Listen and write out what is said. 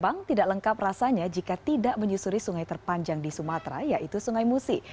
bang tidak lengkap rasanya jika tidak menyusuri sungai terpanjang di sumatera yaitu sungai musi